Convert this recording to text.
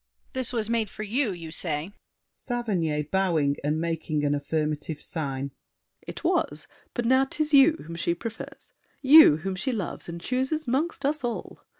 DIDIER. This was made for you, you say? SAVERNY (bowing, and making an affirmative sign). It was! But now 'tis you whom she prefers, You whom she loves and chooses 'mongst us all.